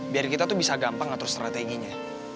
biar kita tuh bisa gampang ngatur strateginya